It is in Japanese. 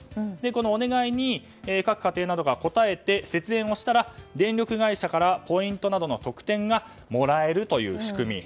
このお願いに各家庭などが応えて節電をしたら電力会社からポイントなどの特典がもらえるという仕組み。